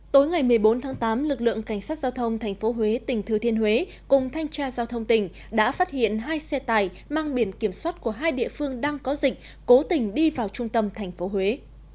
tối ngày một mươi bốn tháng tám lực lượng cảnh sát giao thông tp huế tỉnh thừa thiên huế cùng thanh tra giao thông tỉnh đã phát hiện hai xe tải mang biển kiểm soát của hai địa phương đang có dịch cố tình đi vào trung tâm tp huế